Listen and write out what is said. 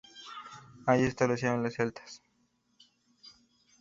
Allí se establecieron los celtas.